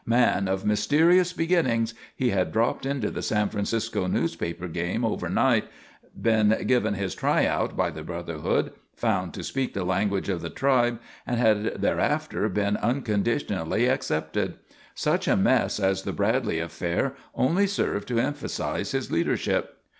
Man of mysterious beginnings, he had dropped into the San Francisco newspaper game over night, been given his "try out" by the brotherhood, found to speak the language of the tribe, and had thereafter been unconditionally accepted. Such a mess as the Bradley affair only served to emphasise his leadership.